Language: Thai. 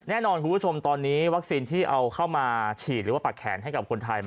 แน่นอนคุณผู้ชมตอนนี้วัคซีนที่เอาเข้ามาฉีดหรือว่าปากแขนให้กับคนไทย